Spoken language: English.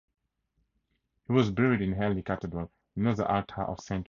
He was buried in Ely Cathedral near the altar of Saint Mary.